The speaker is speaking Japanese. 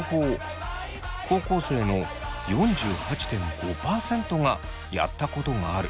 高校生の４８．５％がやったことがある